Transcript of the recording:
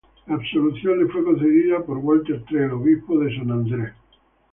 La absolución le fue concedida por Walter Trail, obispo de St Andrews.